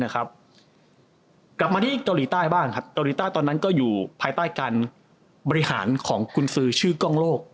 กลับมาที่เกาหลีใต้บ้างครับเกาหลีใต้ตอนนั้นก็อยู่ภายใต้การบริหารของกุญสือชื่อกล้องโลก